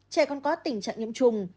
trẻ con có tình trạng nhiễm trùng